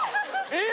えっ！